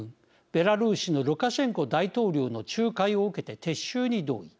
ベラルーシのルカシェンコ大統領の仲介を受けて撤収に同意。